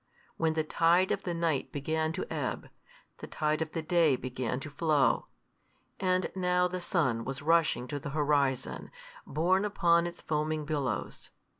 When the tide of the night began to ebb, the tide of the day began to flow; and now the sun was rushing to the horizon, borne upon its foaming billows.